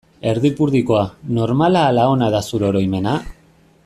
Erdipurdikoa, normala ala ona da zure oroimena?